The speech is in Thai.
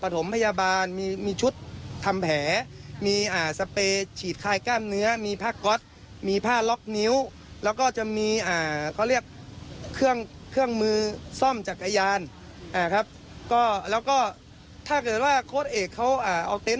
ถ้าเกิดที่คุณเอกเอาเตนะออกไป